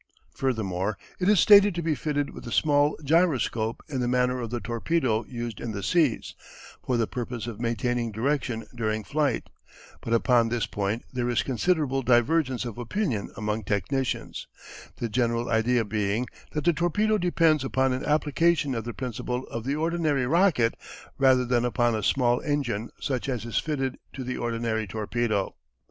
Furthermore it is stated to be fitted with a small gyroscope in the manner of the torpedo used in the seas, for the purpose of maintaining direction during flight, but upon this point there is considerable divergence of opinion among technicians, the general idea being that the torpedo depends upon an application of the principle of the ordinary rocket rather than upon a small engine such as is fitted to the ordinary torpedo.